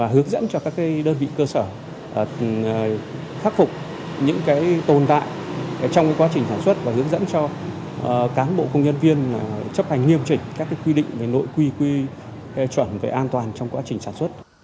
hướng dẫn cho các đơn vị cơ sở khắc phục những tồn tại trong quá trình sản xuất và hướng dẫn cho cán bộ công nhân viên chấp hành nghiêm trình các quy định về nội quy quy chuẩn về an toàn trong quá trình sản xuất